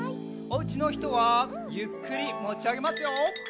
おうちのひとはゆっくりもちあげますよ。